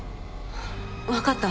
わかった。